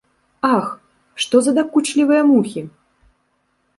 Ах, што за дакучлівыя мухі!